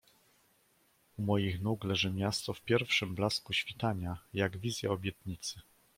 "U moich nóg leży miasto w pierwszym blasku świtania jak wizja obietnicy."